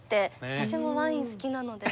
私もワイン好きなので。